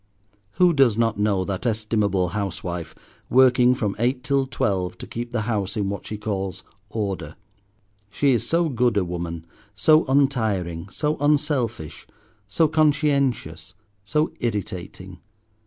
Who does not know that estimable housewife, working from eight till twelve to keep the house in what she calls order? She is so good a woman, so untiring, so unselfish, so conscientious, so irritating.